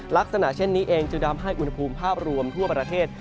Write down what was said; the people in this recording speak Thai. ลักษณะเช่นนี้เองจึงทำให้อุณหภูมิภาพรวมทั่วประเทศ